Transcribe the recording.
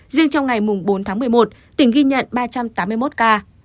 riêng trong ngày bốn tháng một mươi một tỉnh ghi nhận ba trăm tám mươi một ca